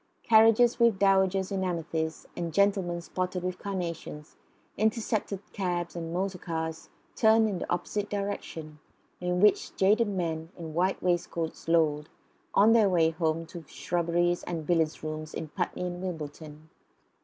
Carriages, with dowagers in amethyst and gentlemen spotted with carnations, intercepted cabs and motor cars turned in the opposite direction, in which jaded men in white waistcoats lolled, on their way home to shrubberies and billiard rooms in Putney and Wimbledon.